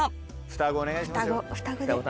双子で。